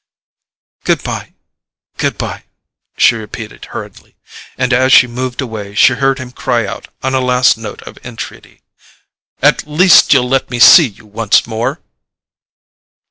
"Goodbye—goodbye," she repeated hurriedly; and as she moved away she heard him cry out on a last note of entreaty: "At least you'll let me see you once more?"